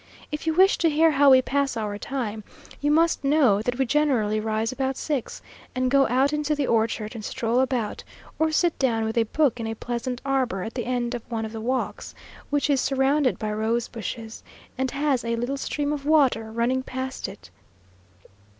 If you wish to hear how we pass our time, you must know that we generally rise about six, and go out into the orchard and stroll about, or sit down with a book in a pleasant arbour at the end of one of the walks, which is surrounded by rose bushes, and has a little stream of water running past it.